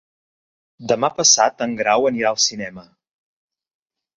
Demà passat en Grau anirà al cinema.